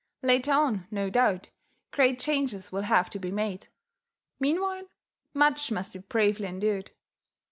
Later on, no doubt, great changes will have to be made; meanwhile, much must be bravely endured.